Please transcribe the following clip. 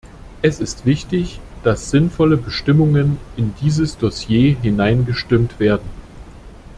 Es ist wichtig, dass sinnvolle Bestimmungen in dieses Dossier hineingestimmt werden.